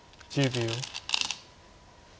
１０秒。